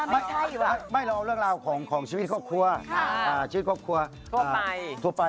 เราเอาเรื่องเล่าของชีวิตคุณขับครัว